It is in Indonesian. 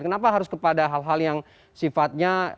kenapa harus kepada hal hal yang sifatnya